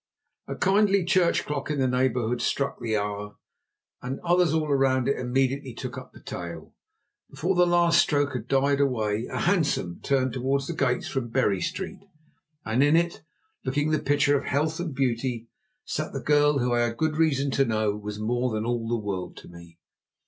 A kindly church clock in the neighbourhood struck the hour, and others all round it immediately took up the tale. Before the last stroke had died away a hansom turned towards the gates from Bury Street, and in it, looking the picture of health and beauty, sat the girl who, I had good reason to know, was more than all the world to me.